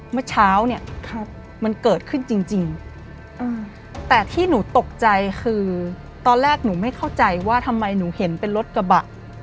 เมื่อเช้าเนี่ยมันเกิดขึ้นจริงแต่ที่หนูตกใจคือตอนแรกหนูไม่เข้าใจว่าทำไมหนูเห็นเป็นรถกระบะ